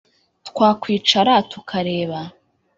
twakwicara tukareba